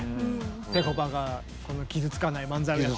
ぺこぱが傷つかない漫才をやったり。